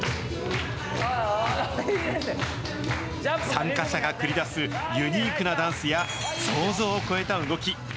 参加者が繰り出すユニークなダンスや、想像を超えた動き。